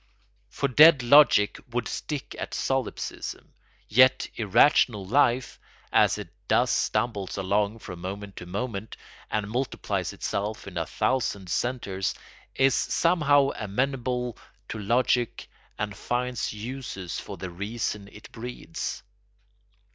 For dead logic would stick at solipsism; yet irrational life, as it stumbles along from moment to moment, and multiplies itself in a thousand centres, is somehow amenable to logic and finds uses for the reason it breeds.